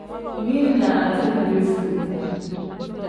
Mili ni alifa ni piyefuu.